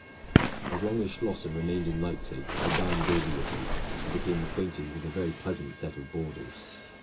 As long as Schlosser remained in Leipzig, I dined daily with him, and became acquainted with a very pleasant set of boarders.